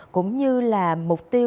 cũng như là mục tiêu